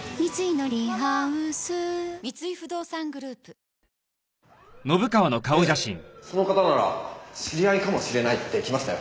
ええその方なら知り合いかもしれないって来ましたよ。